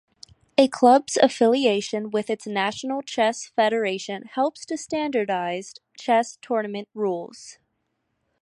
A club's affiliation with its national chess federation helps to standardize chess tournament rules.